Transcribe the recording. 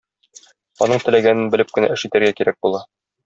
Аның теләгәнен белеп кенә эш итәргә кирәк була.